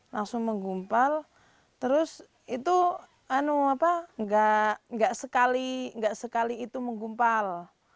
langsung menggumpal terus itu nggak sekali itu menggumpal